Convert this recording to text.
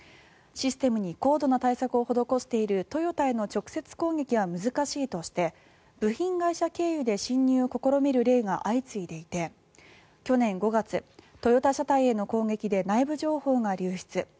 システムに高度な対策を施しているトヨタへの直接攻撃は難しいとして部品会社経由で侵入を試みる例が相次いでいて去年５月、トヨタ車体への攻撃で内部情報が流出。